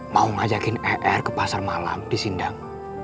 mau ngajakin er ke pasar malam di sindang